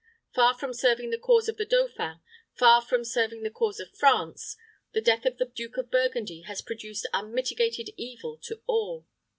Far from serving the cause of the dauphin, far from serving the cause of France, the death of the Duke of Burgundy has produced unmitigated evil to all.